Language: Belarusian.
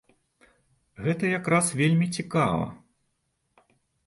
Гэта як раз вельмі цікава.